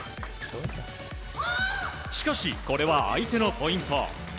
しかし、これは相手のポイント。